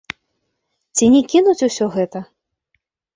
Ці не кінуць усё гэта?